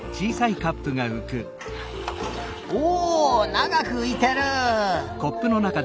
ながくういてる。